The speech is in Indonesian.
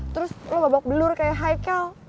terus lo babak belur kayak haikal